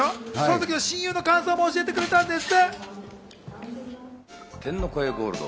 その時の親友の感想も教えてくれたんです。